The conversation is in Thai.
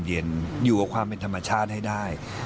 ที่ร่างกายขาดแล้วใจเย็นอยู่กับความเป็นธรรมชาติให้ได้